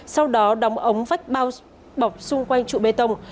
sau đó đóng ống vách bao bọc xung quanh trụ bê tông